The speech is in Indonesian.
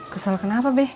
kesel kenapa be